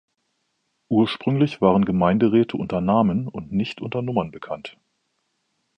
Ursprünglich waren Gemeinderäte unter Namen und nicht unter Nummern bekannt.